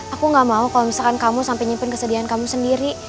aku gak mau kalo misalkan kamu sampe nyimpen kesedihan kamu sendiri